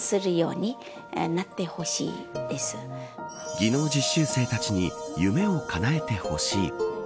技能実習生たちに夢をかなえてほしい。